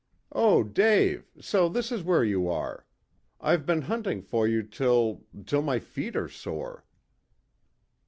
"Oh, Dave! So this is where you are! I've been hunting for you till till my feet are sore."